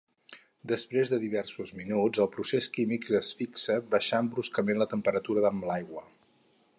Després de diversos minuts, el procés químic es fixa baixant bruscament la temperatura amb aigua.